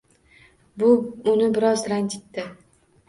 Bu uni biroz ranjitdi.